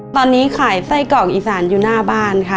ตอนนี้ขายไส้กรอกอีสานอยู่หน้าบ้านค่ะ